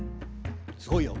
すごいよ。